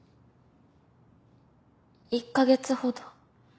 １か月ほど。